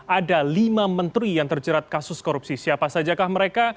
ada lima menteri yang terjerat kasus korupsi siapa saja kah mereka